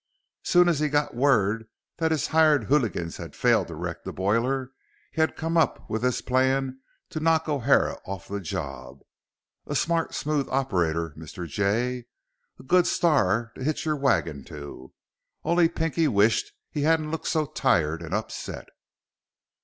Soon as he got word that his hired hooligans had failed to wreck the boiler, he had come up with this plan to knock O'Hara off the job. A smart, smooth operator, Mr. Jay. A good star to hitch your wagon to. Only Pinky wished he hadn't looked so tired and upset....